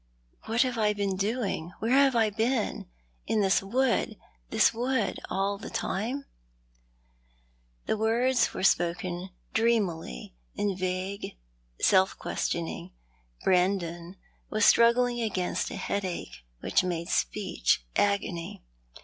What have I been doing, where have I been ? In this wood— this wood — all the time ?" The words were spoken dreamily, in vague self questioning. Brandon was struggling against a headache which made speech agony.